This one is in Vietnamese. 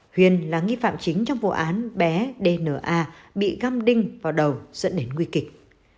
huyền là nghi phạm chính trong vụ án bé dna bị găm đinh vào đầu dẫn đến nguy kịch